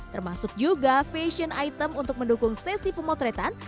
termasuk juga fashion item untuk mendukung sesi pemotretan